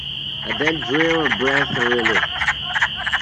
Adele drew a breath of relief.